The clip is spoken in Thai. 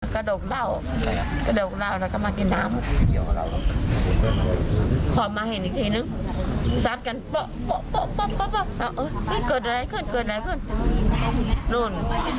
กระดกเหล้าแล้วก็มากินน้ำ